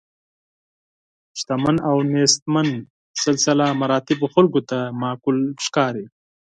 شتمن او نیستمن سلسله مراتبو خلکو ته معقول ښکاري.